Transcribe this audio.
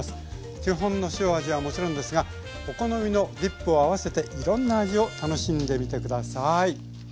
基本の塩味はもちろんですがお好みのディップを合わせていろんな味を楽しんでみて下さい。